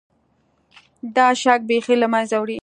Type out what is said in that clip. دا شک بیخي له منځه وړي.